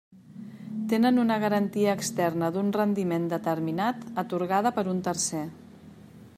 Tenen una garantia externa d'un rendiment determinat, atorgada per un tercer.